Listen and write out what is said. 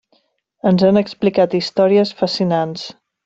Ens han explicat històries fascinants.